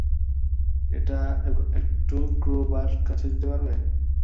এটা একটু ক্রুবার কাছে দিতে পারবে?